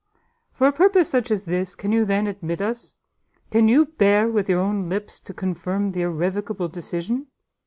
For a purpose such as this, can you, then, admit us? Can you bear with your own lips to confirm the irrevocable decision?